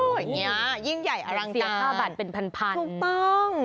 โหอย่างเงี้ยยิ่งใหญ่อลังการเสียค่าบัตรเป็นพันถูกต้อง